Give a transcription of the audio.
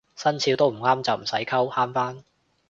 生肖都唔啱就唔使溝慳返